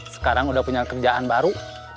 sekarang udah punya kerjaan baru